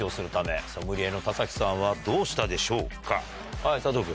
はい佐藤君。